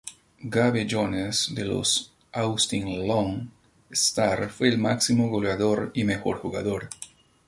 Gabe Jones, de los Austin Lone Stars fue el máximo goleador y mejor jugador.